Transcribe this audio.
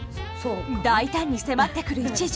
大胆に迫ってくる一条。